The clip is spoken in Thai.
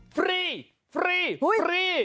ฟรี